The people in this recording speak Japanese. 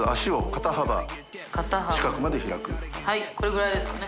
肩幅はいこれぐらいですかね。